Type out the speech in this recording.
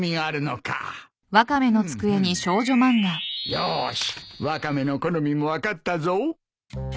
よーしワカメの好みも分かったぞ。